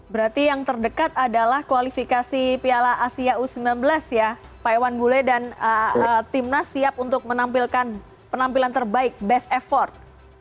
berarti yang terdekat adalah kualifikasi piala asia u sembilan belas ya pak iwan bule dan timnas siap untuk menampilkan penampilan terbaik best effort